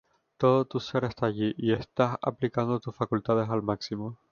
Todo tu ser está allí, y estás aplicando tus facultades al máximo.